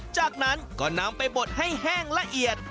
จากนั้นก็นำไปบดให้แห้งละเอียด